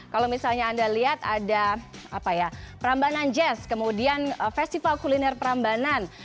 kalau misalnya anda lihat ada perambanan jazz kemudian festival kuliner perambanan